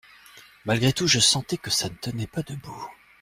Malgré tout, je sentais que ça ne tenait pas debout.